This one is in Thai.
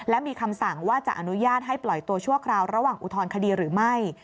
และมีคำสั่งว่าจะอนุญาตให้ปล่อยตัวชั่วคราวระหว่างอุทธรณคดีหรือไม่